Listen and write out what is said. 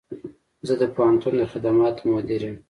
زه د پوهنتون د خدماتو مدیر یم